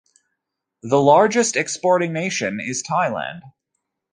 The largest exporting nation is Thailand.